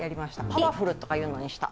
パワフルとかというのにした。